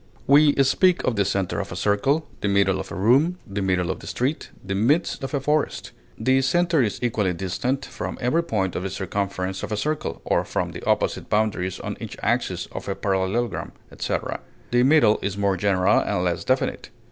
We speak of the center of a circle, the middle of a room, the middle of the street, the midst of a forest. The center is equally distant from every point of the circumference of a circle, or from the opposite boundaries on each axis of a parallelogram, etc.; the middle is more general and less definite.